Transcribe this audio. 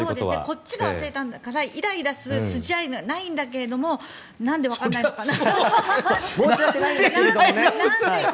こっちが忘れたんだからイライラする筋合いはないんだけどなんでわからないのかな。